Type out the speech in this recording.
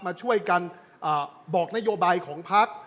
มาช่วยกันบอกนโยบายของพัก